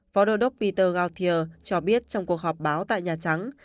phó đô đốc peter goltier cho biết trong cuộc họp báo tại nhà trắng